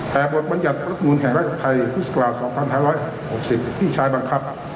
แต่บทบัญญัติรัฐมูลแห่งรัฐศิลป์ไทยพศ๒๖๖๐ที่ชายบังคับ